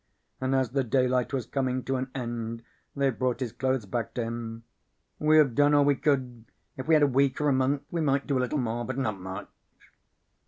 And as the daylight was coming to an end, they brought his clothes back to him. "We have done all we could do. If we had a week or a month, we might do a little more, but not much."